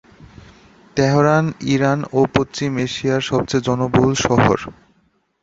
Tehran Iran ও পশ্চিম এশিয়ায় সবচেয়ে জনবহুল শহর।